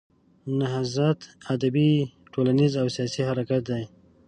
نهضت ادبي، ټولنیز او سیاسي حرکت دی.